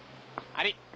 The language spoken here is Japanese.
あれ？